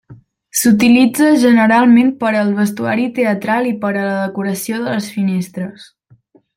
S'utilitza generalment per al vestuari teatral i per a la decoració de les finestres.